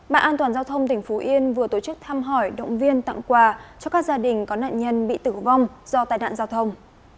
bạn an toàn giao thông tỉnh phú yên vừa tổ chức thăm hỏi động viên tặng quà cho các gia đình có nạn nhân bị tử vong do tai nạn giao thông